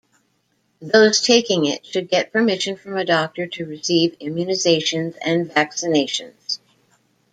Those taking it should get permission from a doctor to receive immunizations and vaccinations.